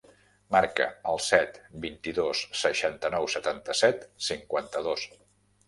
Marca el set, vint-i-dos, seixanta-nou, setanta-set, cinquanta-dos.